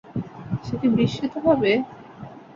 সে কি বিস্মিত হবে?